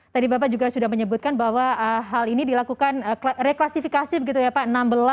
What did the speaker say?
tadi bapak juga sudah menyebutkan bahwa hal ini dilakukan reklasifikasi begitu ya pak